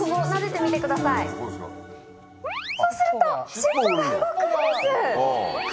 そうするとシッポが動くんです。